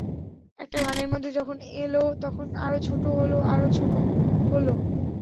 একটা গানের মধ্যে যখন এল, তখন আরও ছোট হলো, আরও ছোট হলো।